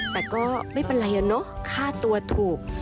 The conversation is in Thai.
แต่ก็ไม่เป็นไรเนอะค่าตัวถูก